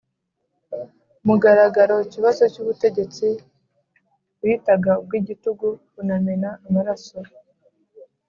mugaragaro ikibazo cy'ubutegetsi bitaga ubwigitugu bunamena amaraso.